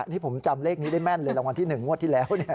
นี่ผมจำเลขนี้ได้แม่นเลยรางวัลที่๑งวดที่แล้ว